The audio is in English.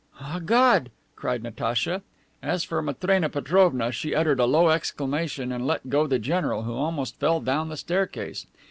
"Ah, God!" cried Natacha. As for Matrena Petrovna, she uttered a low exclamation and let go the general, who almost fell down the staircase.